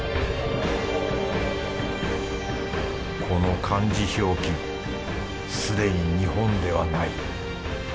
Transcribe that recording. この漢字表記すでに日本ではない。